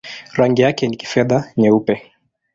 Rangi yake ni kifedha-nyeupe.